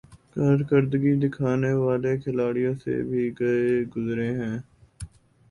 ۔کارکردگی دکھانے والے کھلاڑیوں سے بھی گئے گزرے ہیں ۔